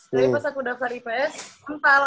jadi pas aku daftar ips